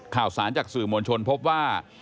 ข่าวสารจากสื่อมวลชนพบว่า